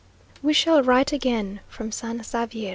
We shall write again from San Xavier.